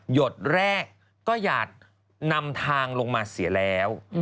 หดแรกก็อยากนำทางลงมาเสียแล้ว